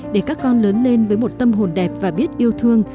để các con lớn lên với một tâm hồn đẹp và biết yêu thương